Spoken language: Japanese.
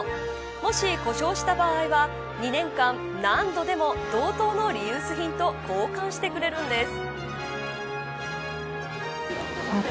もし、故障した場合は２年間、何度でも同等のリユース品と交換してくれるんです。